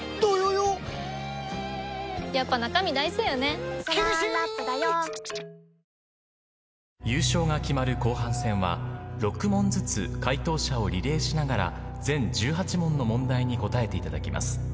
「アサヒスタイルフリー」！優勝が決まる後半戦は６問ずつ解答者をリレーしながら全１８問の問題に答えていただきます。